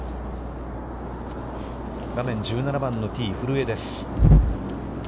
画面、１７番のティー、古江です。